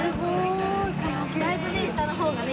だいぶね下の方がね